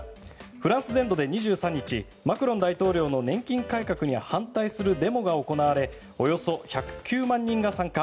フランス全土で２３日マクロン大統領の年金改革に反対するデモが行われおよそ１０９万人が参加。